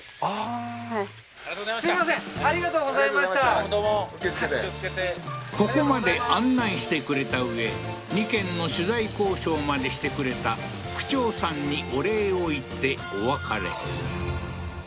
ああーはいここまで案内してくれたうえ２軒の取材交渉までしてくれた区長さんにお礼を言ってお別れ